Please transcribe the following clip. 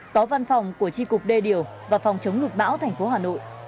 có văn phòng của tri cục đê điều và phòng chống lụt bão thành phố hà nội